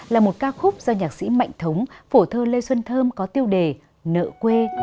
là một ca khúc do nhạc sĩ mạnh thống phổ thơ lê xuân thơm có tiêu đề nợ quê